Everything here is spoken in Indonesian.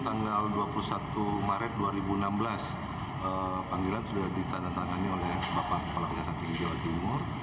tanggal dua puluh satu maret dua ribu enam belas panggilan sudah ditandatangani oleh bapak kepala kejaksaan tinggi jawa timur